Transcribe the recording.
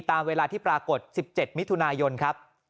ตามเวลาที่ปรากฏ๑๗มิถุนายนครับ